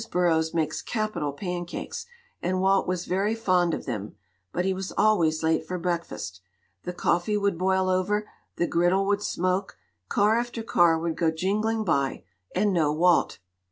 Burroughs makes capital pancakes, and Walt was very fond of them, but he was always late for breakfast. The coffee would boil over, the griddle would smoke, car after car would go jingling by, and no Walt.